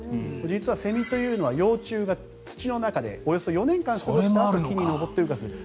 実はセミというのは幼虫が土の中でおよそ４年間過ごしたあとに木に登って羽化する。